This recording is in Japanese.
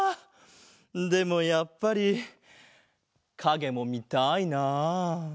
でもやっぱりかげもみたいなあ。